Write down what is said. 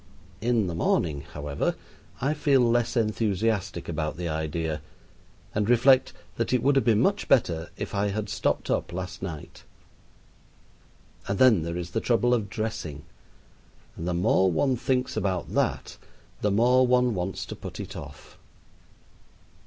In the morning, however, I feel less enthusiastic about the idea, and reflect that it would have been much better if I had stopped up last night. And then there is the trouble of dressing, and the more one thinks about that the more one wants to put it off.